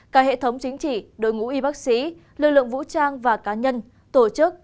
cả hệ thống chính trị đội ngũ y bác sĩ lực lượng vũ trang và cá nhân tổ chức